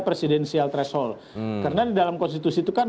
presidensial threshold karena di dalam konstitusi itu kan